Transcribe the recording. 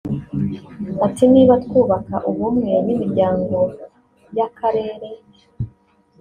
Ati “…Niba twubaka ubumwe n’imiryango y’akarere